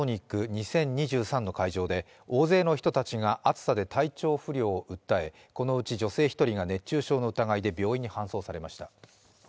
２０２３の会場で大勢の人たちが暑さで体調不良を訴え、このうち女性１人が熱中症の疑いで病院に搬送されました。